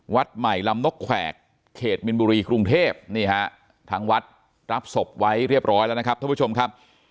วัดใหม่ลำนกแขวกเขตมินบุรีกรุงเทพนี่ฮะทางวัดรับศพไว้เรียบร้อยแล้วนะครับท่านผู้ชมครับ